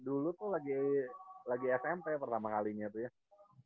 dulu tuh lagi smp pertama kalinya tuh ya